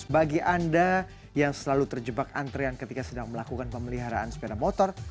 bagi anda yang selalu terjebak antrean ketika sedang melakukan pemeliharaan sepeda motor